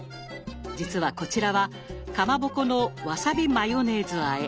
実はこちらは「かまぼこのわさびマヨネーズあえ」。